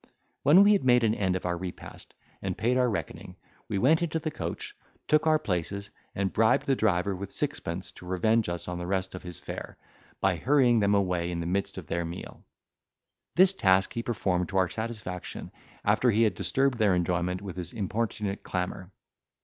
When we had made an end of our repast, and paid our reckoning, we went into the coach, took our places, and bribed the driver with sixpence to revenge us on the rest of his fare, by hurrying them away in the midst of their meal. This task he performed to our satisfaction, after he had disturbed their enjoyment with his importunate clamour.